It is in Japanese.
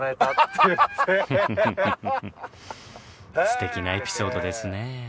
素敵なエピソードですね。